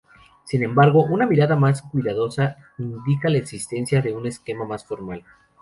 Sin embargo, una mirada más cuidadosa indica la existencia de un esquema más formal.